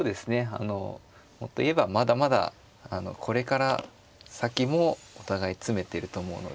あのもっと言えばまだまだこれから先もお互い詰めてると思うので。